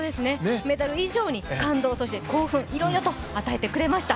メダル以上に感動、興奮、いろいろと与えてくれました。